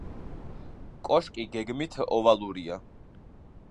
კოშკი გეგმით ოვალურია.